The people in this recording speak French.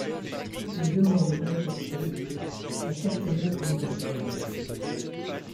Les deux membres d'OuterSpace sont confirmés pour les albums.